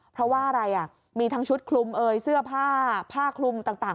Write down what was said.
เพราะว่าอะไรอ่ะมีทั้งชุดคลุมเสื้อผ้าผ้าคลุมต่าง